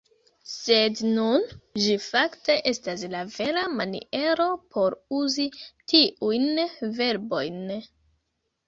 Sed nun, ĝi fakte estas la vera maniero por uzi tiujn verbojn.